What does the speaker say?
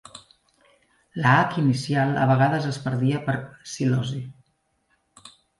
La "h" inicial a vegades es perdia per psilosi.